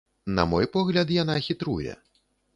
На мой погляд, яна хітруе.